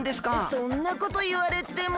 そんなこといわれても。